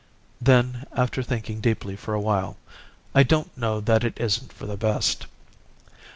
"Then, after thinking deeply for a while "'I don't know that it isn't for the best.